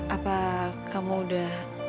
apa kamu udah